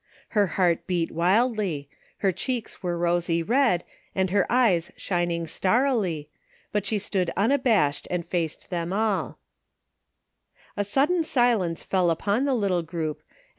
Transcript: Her heart beat wildly, her cheeks were 197 THE FINDING OF JASPER HOLT rosy red, and her eyes shining starrily, but she stood unabashed and faced them all. A sudden silence fell upon the little group and th.